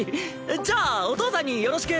じゃあお父さんによろしく。